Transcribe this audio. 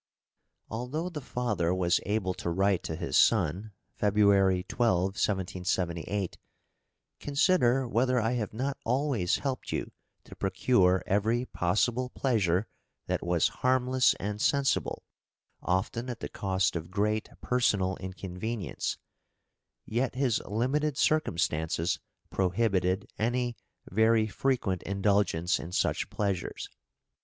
Although the father was able to write to his son (February 12,1778): "Consider whether I have not always helped you to procure every possible pleasure that was harmless and sensible, often at the cost of great personal inconvenience," yet his limited circumstances prohibited any very frequent indulgence in such pleasures.